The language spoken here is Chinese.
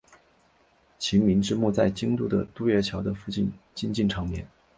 晴明之墓在京都的渡月桥的附近静静长眠。